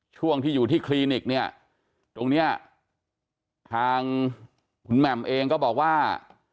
ช่วงที่อยู่ที่คลินิกเนี่ยตรงเนี้ยทางคุณแหม่มเองก็บอกว่า